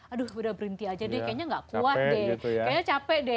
aduh udah berhenti aja deh kayaknya gak kuat deh